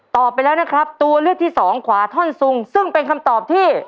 ไปแล้วนะครับตัวเลือกที่สองขวาท่อนซุงซึ่งเป็นคำตอบที่